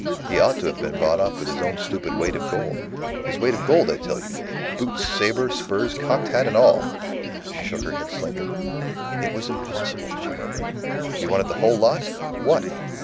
He ought to have been bought off with his own stupid weight of gold his weight of gold, I tell you, boots, sabre, spurs, cocked hat, and all." She shook her head slightly. "It was impossible," she murmured. "He wanted the whole lot? What?"